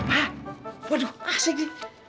hah waduh asik nih